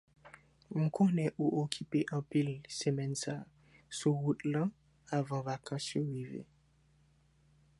mkonnen ou okipe anpil semèn sa sou wout lan avan vakans yo rive